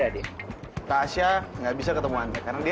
lepasin pak randy